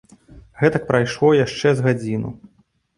Гэтак прайшло яшчэ з гадзіну.